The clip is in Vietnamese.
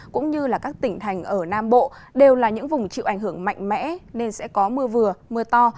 cũng như các tỉnh thành ở nam bộ đều là những vùng chịu ảnh hưởng mạnh mẽ nên sẽ có mưa vừa mưa to